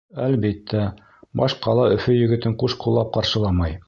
Әлбиттә, баш ҡала Өфө егетен ҡуш ҡуллап ҡаршыламай.